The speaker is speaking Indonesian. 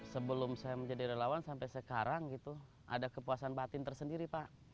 sebelum saya menjadi relawan sampai sekarang gitu ada kepuasan batin tersendiri pak